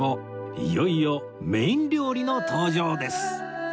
いよいよメイン料理の登場です